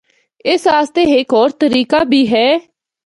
اس اسطے ہک ہور طریقہ بھی ہے۔